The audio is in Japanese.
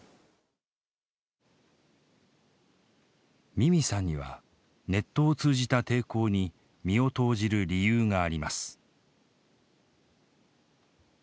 ミミさんにはネットを通じた抵抗に身を投じる理由があります。